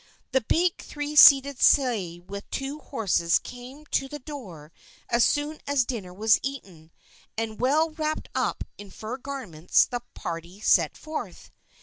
The big three seated sleigh with two horses came to the door as soon as dinner was eaten, and well wrapped up in fur garments, the party set forth.